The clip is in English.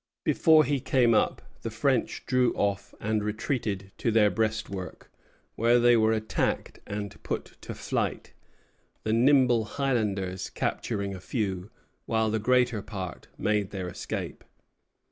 Before he came up, the French drew off and retreated to their breastwork, where they were attacked and put to flight, the nimble Highlanders capturing a few, while the greater part made their escape.